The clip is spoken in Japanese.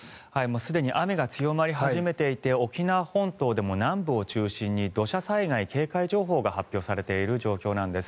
すでに雨が強まり始めていて沖縄本島でも南部を中心に土砂災害警戒情報が発表されている状況なんです。